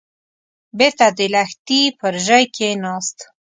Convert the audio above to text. بېرته د لښتي پر ژۍ کېناست.